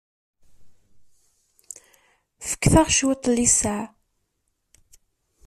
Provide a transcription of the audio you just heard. Fket-aɣ cwiṭ n littseɛ.